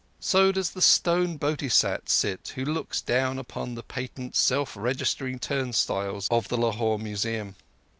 So does the stone Bodhisat sit who looks down upon the patent self registering turnstiles of the Lahore Museum.